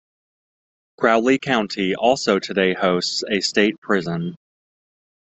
Crowley County also today hosts a state prison.